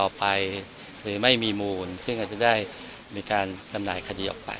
หรือไม่มีมูลซึ่งอาจจะได้มีการจำหน่ายคดีออกไป